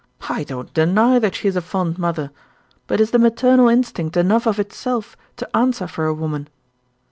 I don't deny that she is a fond mother; but is the maternal instinct enough of itself to answer for a woman?